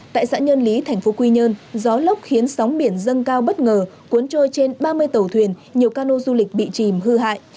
tại xã nhân lý thành phố quy nhơn gió lốc khiến sóng biển dâng cao bất ngờ cuốn trôi trên ba mươi tàu thuyền nhiều cano du lịch bị chìm hư hại